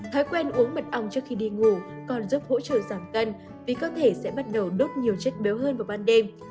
thói quen uống mật ong trước khi đi ngủ còn giúp hỗ trợ giảm cân vì cơ thể sẽ bắt đầu đốt nhiều chất béo hơn vào ban đêm